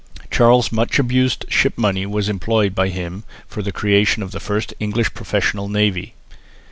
Charles' much abused ship money was employed by him for the creation of the first English professional navy.